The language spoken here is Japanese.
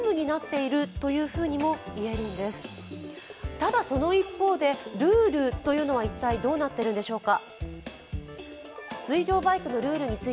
ただ、その一方でルールというのは一体どうなっているのでしょうか？